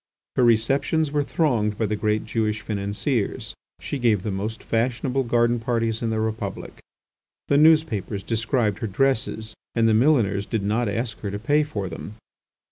Her receptions were thronged by the great Jewish financiers. She gave the most fashionable garden parties in the Republic. The newspapers described her dresses and the milliners did not ask her to pay for them.